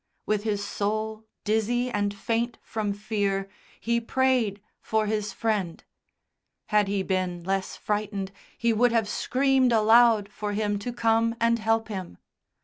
With his soul dizzy and faint from fear, he prayed for his Friend; had he been less frightened he would have screamed aloud for him to come and help him.